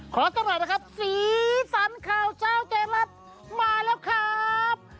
สักหน่อยนะครับสีสันข่าวเช้าไทยรัฐมาแล้วครับ